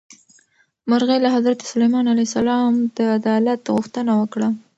مرغۍ له حضرت سلیمان علیه السلام د عدالت غوښتنه وکړه.